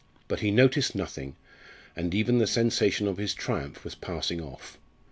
But he noticed nothing, and even the sensation of his triumph was passing off.